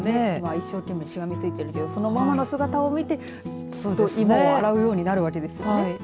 一生懸命しがみついているそのままの姿を見て芋を洗うようになるわけですね。